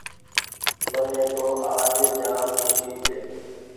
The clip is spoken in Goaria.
مني تو آج جآم کوسي ڇي۔